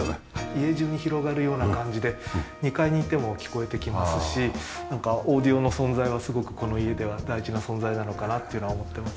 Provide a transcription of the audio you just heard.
家中に広がるような感じで２階にいても聞こえてきますしなんかオーディオの存在はすごくこの家では大事な存在なのかなっていうのは思ってます。